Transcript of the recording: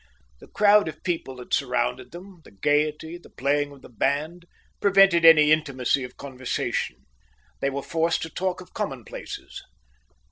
The crowd of people that surrounded them, the gaiety, the playing of the band, prevented any intimacy of conversation. They were forced to talk of commonplaces.